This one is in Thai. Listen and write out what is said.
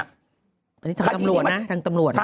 อันนี้ทางตำรวจนะ